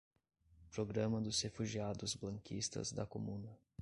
Programa dos Refugiados Blanquistas da Comuna